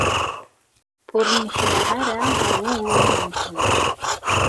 Ur nneknaɣ ara ɣer wuguren-nwent.